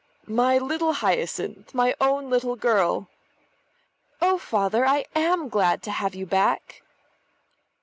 "My little Hyacinth! My own little girl!" "Oh, Father, I am glad to have you back."